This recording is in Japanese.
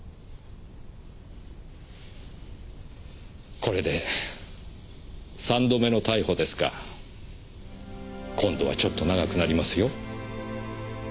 これで３度目の逮捕ですが今度はちょっと長くなりますよ。